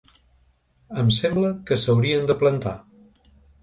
Em sembla que s’haurien de plantar.